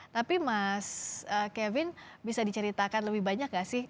tapi mas kevin bisa diceritakan lebih banyak gak sih